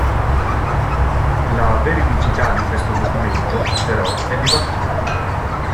La veridicità di questo documento però è dibattuta.